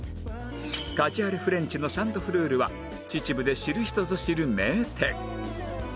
カジュアルフレンチのシャンドフルールは秩父で知る人ぞ知る名店